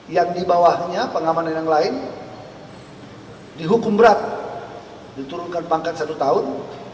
yang di bawahnya pengamanan yang lain dihukum berat diturunkan pangkat satu tahun